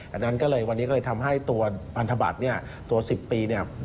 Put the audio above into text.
ดังนั้นวันนี้ก็เลยทำให้ตัวพันธบัตรตัว๑๐ปี